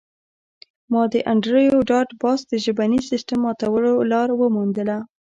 ما د انډریو ډاټ باس د ژبني سیستم ماتولو لار وموندله